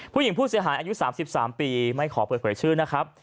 ผู้หญิงผู้เสียหายอายุ๓๓ปีไม่ขอเปิดเผยชื่อนะครับ